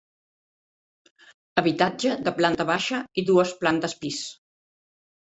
Habitatge de planta baixa i dues plantes pis.